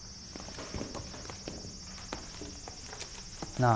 なあ